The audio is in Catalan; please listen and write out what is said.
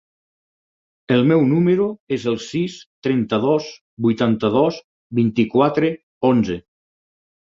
El meu número es el sis, trenta-dos, vuitanta-dos, vint-i-quatre, onze.